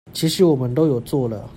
其實我們都有做了